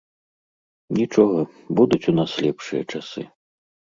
Нічога, будуць у нас лепшыя часы.